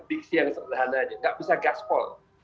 diksi yang sederhana aja nggak bisa gaspol